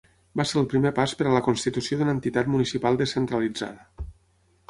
Va ser el primer pas per a la constitució d'una entitat municipal descentralitzada.